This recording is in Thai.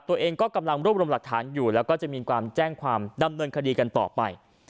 ตัวเองก็กำลังรวบรวมหลักฐานอยู่แล้วก็จะมีความแจ้งความดำเนินคดีกันต่อไป